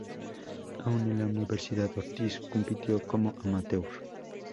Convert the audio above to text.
Aún en la universidad, Ortiz compitió como amateur.